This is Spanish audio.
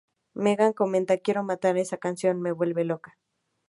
Megan comenta: ""Quiero matar a esa canción, me vuelve loca!